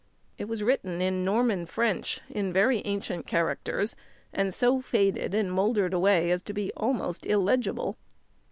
It was written in Norman French in very ancient characters, and so faded and mouldered away as to be almost illegible.